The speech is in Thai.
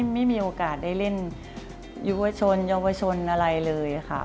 ไม่มีโอกาสได้เล่นยุวชนเยาวชนอะไรเลยค่ะ